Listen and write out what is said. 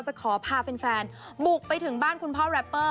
จะขอพาแฟนบุกไปถึงบ้านคุณพ่อแรปเปอร์